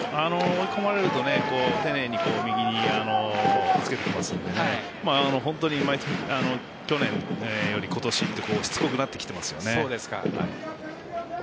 追い込まれると丁寧に右におっつけてきますので本当に去年より今年ってしつこくなってきていますよね。